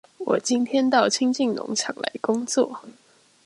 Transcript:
我今天到清境農場來工作